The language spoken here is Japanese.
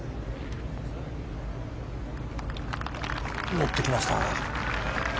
乗ってきました。